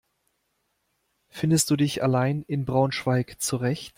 Findest du dich allein in Braunschweig zurecht?